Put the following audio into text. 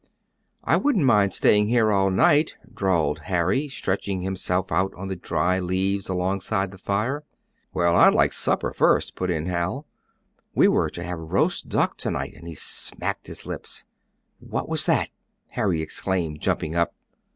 "I wouldn't mind staying here all night," drawled Harry, stretching himself out on the dry leaves alongside the fire. "Well, I'd like supper first," put in Hal. "We were to have roast duck to night," and he smacked his lips. "What was that!" Harry exclaimed, jumping up.